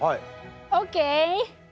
ＯＫ！